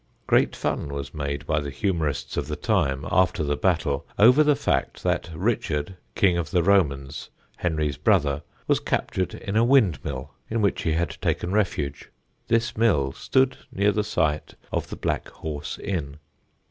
Great fun was made by the humorists of the time, after the battle, over the fact that Richard, King of the Romans, Henry's brother, was captured in a windmill in which he had taken refuge. This mill stood near the site of the Black Horse inn.